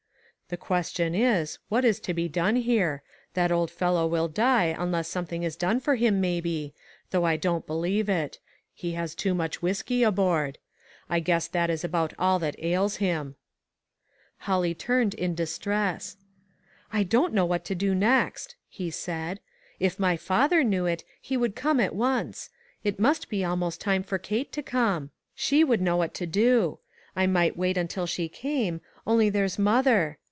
" The question is, what is to be done here? That old fellow will die, unless some thing is done for him maybe, though I don't believe it. He has too much whiskey aboard. I guess that is about all that ails him !" Holly turned in distress. "I don't know what to do next," he said; "if my father knew it, he would come at once. It must be almost time for Kate to come. She would know what to do I might wait until she came ; only there's mother.